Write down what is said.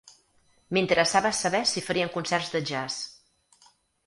M'interessava saber si farien concerts de jazz.